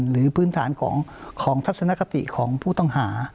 พื้นฐานของทัศนคติของผู้ต้องหา